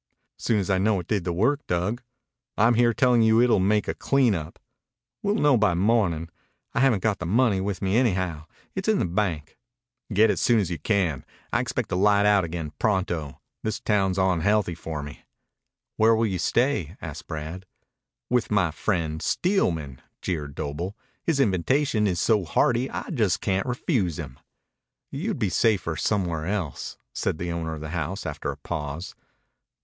"Soon as I know it did the work, Dug." "I'm here tellin' you it will make a clean up." "We'll know by mornin'. I haven't got the money with me anyhow. It's in the bank." "Get it soon as you can. I expect to light out again pronto. This town's onhealthy for me." "Where will you stay?" asked Brad. "With my friend Steelman," jeered Doble. "His invitation is so hearty I just can't refuse him." "You'd be safer somewhere else," said the owner of the house after a pause.